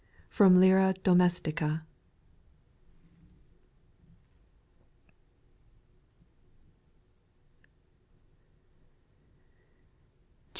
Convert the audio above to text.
FROM LYRA DOMESTICA, 213.